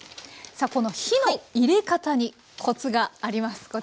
さあこの火の入れ方にコツがあります。